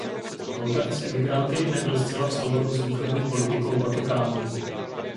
Kontakt s emigranty nebyl zcela v souladu s východní politikou Vatikánu.